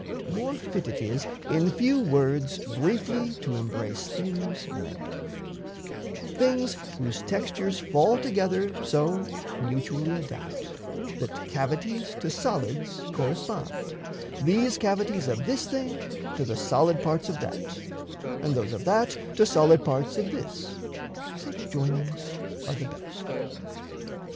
More fit It is in few words briefly to embrace Things many: things whose textures fall together So mutually adapt, that cavities To solids correspond, these cavities Of this thing to the solid parts of that, And those of that to solid parts of this Such joinings are the best.